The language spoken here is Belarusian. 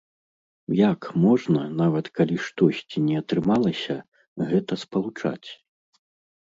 Як можна, нават калі штосьці не атрымалася, гэта спалучаць?